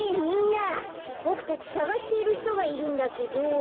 みんなボクたちさがしているひとがいるんだけど。